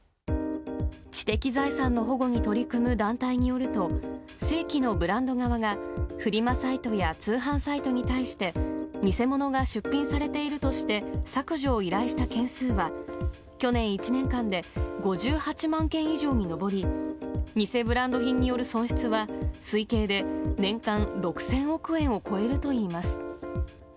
知的財産の保護に取り組む団体によると、正規のブランド側がフリマサイトや通販サイトに対して、偽物が出品されているとして、削除を依頼した件数は、去年１年間で５８万件以上に上り、偽ブランド品による損失は、推計で年間６０００億円を超えるといいます。